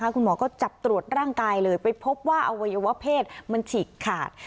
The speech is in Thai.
คุณหมอก็จับตรวจร่างกายเลยไปพบว่าอวัยวะเพศมันฉีกขาด